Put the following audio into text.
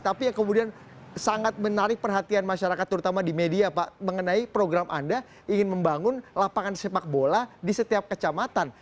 tapi yang kemudian sangat menarik perhatian masyarakat terutama di media pak mengenai program anda ingin membangun lapangan sepak bola di setiap kecamatan